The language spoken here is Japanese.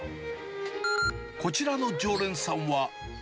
こちらの常連さんは。